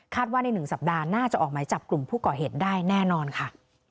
ว่าใน๑สัปดาห์น่าจะออกหมายจับกลุ่มผู้ก่อเหตุได้แน่นอนค่ะ